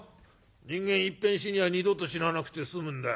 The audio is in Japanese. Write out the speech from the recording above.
人間いっぺん死にゃ二度と死ななくて済むんだよ。